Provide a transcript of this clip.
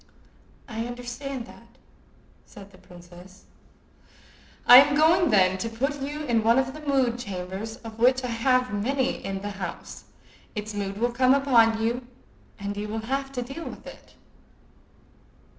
"I understand that," said the princess. "I am going, then, to put you in one of the mood chambers of which I have many in the house. Its mood will come upon you, and you will have to deal with it."